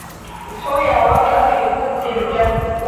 Ицо-иаауа Гагреи Бзыԥҭеи ирыбжьан.